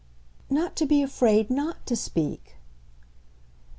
"Not to be afraid NOT to speak."